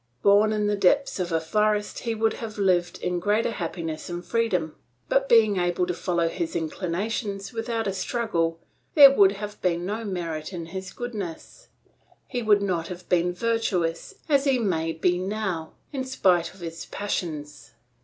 Born in the depths of a forest he would have lived in greater happiness and freedom; but being able to follow his inclinations without a struggle there would have been no merit in his goodness, he would not have been virtuous, as he may be now, in spite of his passions.